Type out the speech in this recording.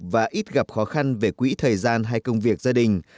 và ít gặp khó khăn về quỹ thời gian hay công việc gia đình